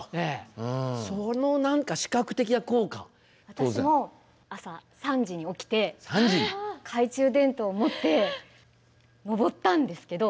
私も朝３時に起きて懐中電灯を持って登ったんですけど。